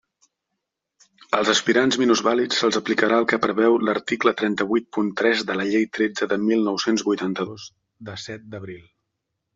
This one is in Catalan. Als aspirants minusvàlids se'ls aplicarà el que preveu l'article trenta-vuit punt tres de la Llei tretze de mil nou-cents vuitanta-dos de set d'abril.